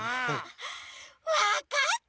わかった！